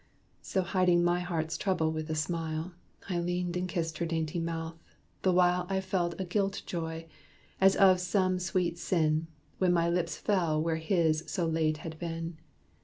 So hiding my heart's trouble with a smile, I leaned and kissed her dainty mouth; the while I felt a guilt joy, as of some sweet sin, When my lips fell where his so late had been.